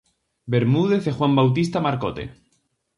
Bermúdez e Juan Bautista Marcote.